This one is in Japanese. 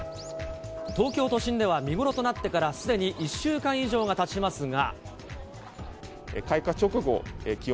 東京都心では見頃となってからすでに１週間以上がたちますが。